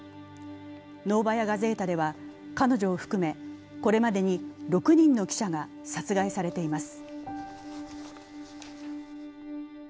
「ノーバヤ・ガゼータ」では彼女を含めこれまでに６人の記者が殺害されています。